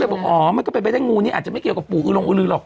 เขาก็เลยบอกอ๋อมันก็ไปได้งูนี้อาจจะไม่เกี่ยวกับปู่อุรงอุรึหรอก